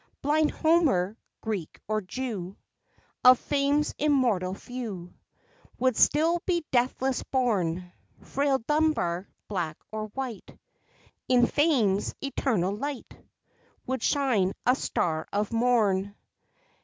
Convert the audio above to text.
Blind Homer, Greek or Jew, Of fame's immortal few Would still be deathless born; Frail Dunbar, black or white, In Fame's eternal light, Would shine a Star of Morn.